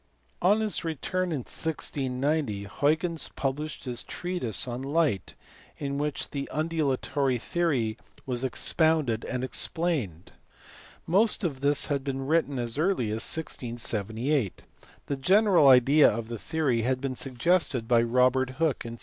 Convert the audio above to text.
On his return in 1690 Huygens published his treatise on light in which the undulatory theory was expounded and ex plained. Most of this had been written as early as 1678. The general idea of the theory had been suggested by Robert HUYGENS.